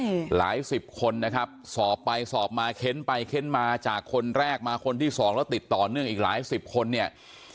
หลายสิบคนนะครับสอบไปสอบมาเค้นไปเค้นมาจากคนแรกมาคนที่สองแล้วติดต่อเนื่องอีกหลายสิบคนเนี่ย